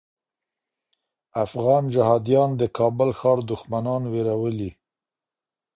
افغان جهاديان د کابل ښار دښمنان ویرولي.